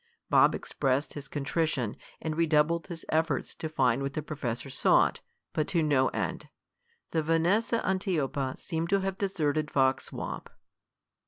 Bob expressed his contrition, and redoubled his efforts to find what the professor sought, but to no end. The Vanessa antiopa seemed to have deserted Fox Swamp.